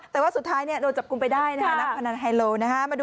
แต่ว่าสุดท้ายโดนจับกลุ่มไปได้นะคะนักพนันไฮโลนะฮะ